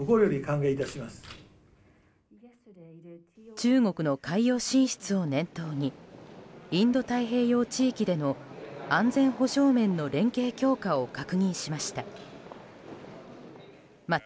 中国の海洋進出を念頭にインド太平洋地域での安全保障面の連携強化を確認しました。